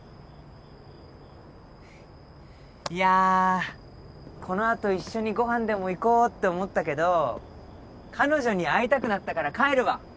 いやこの後一緒にご飯でも行こうって思ったけど彼女に会いたくなったから帰るわ。